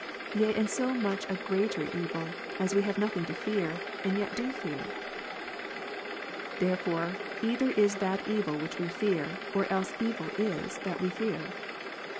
Yea, and so much a greater evil, as we have nothing to fear, and yet do fear. Therefore either is that evil which we fear, or else evil is, that we fear.